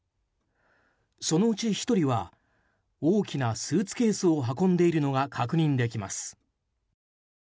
そのうち１人は大きなスーツケースを運んでいるのが確認できます。